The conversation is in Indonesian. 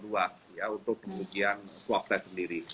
untuk pengujian swab test sendiri